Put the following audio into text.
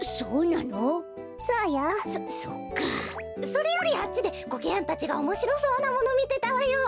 それよりあっちでコケヤンたちがおもしろそうなものみてたわよ。